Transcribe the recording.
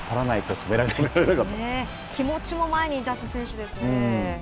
気持ちも前に出す選手ですね。